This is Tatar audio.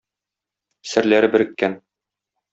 Серләре береккән.